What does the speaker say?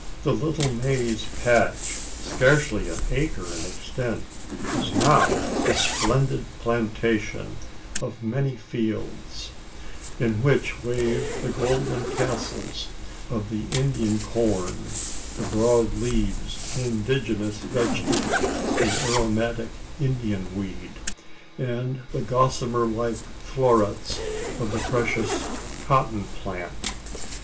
The little maize patch, scarcely an acre in extent, is now a splendid plantation, of many fields in which wave the golden tassels of the Indian corn, the broad leaves of another indigenous vegetable the aromatic "Indian weed," and the gossamer like florets of the precious cotton plant.